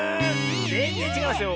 ぜんぜんちがうんですよ。